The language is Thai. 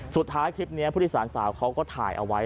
สุดท้ายคลิปนี้ผู้โดยสารสาวเขาก็ถ่ายเอาไว้